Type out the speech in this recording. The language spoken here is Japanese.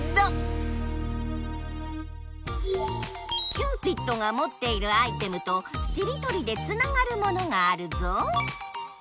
キューピッドがもっているアイテムとしりとりでつながるものがあるぞ！